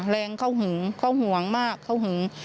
แรงเขาหึงเขาห่วงมากเขาหึง